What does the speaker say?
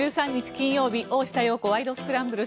金曜日「大下容子ワイド！スクランブル」。